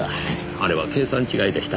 あれは計算違いでした。